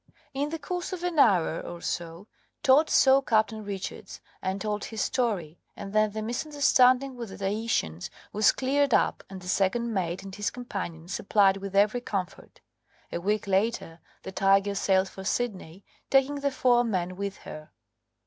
In the course of an hour or so Todd saw Captain Richards and told his story, and then the misunderstanding with the Tahitians was cleared up and the second mate and his companions supplied with every comfort A week later the Tiger sailed for Sydney, taking the four men with her.